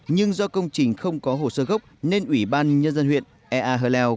nhưng do công trình không có hồ sơ gốc nên ủy ban nhân dân huyện e a hờ leo